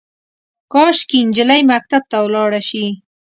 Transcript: کاشکي، نجلۍ مکتب ته ولاړه شي